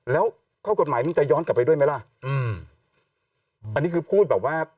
แล้วข้อกฎหมายมันจะย้อนกลับไปด้วยไหมล่ะอืมอันนี้คือพูดแบบว่า